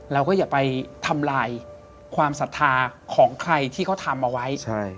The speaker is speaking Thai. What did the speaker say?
อย่าไปทำลายความศรัทธาของใครที่เขาทำเอาไว้